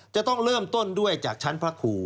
จะต้องเริ่มต้นด้วยจากชั้นพระครู